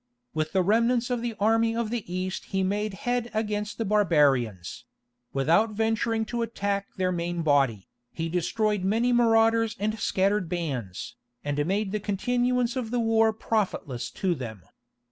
With the remnants of the army of the East he made head against the barbarians; without venturing to attack their main body, he destroyed many marauders and scattered bands, and made the continuance of the war profitless to them.